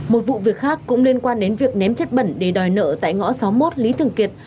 một vụ việc khác cũng liên quan đến việc ném chất bẩn để đòi nợ tại ngõ sáu mươi một lý thường kiệt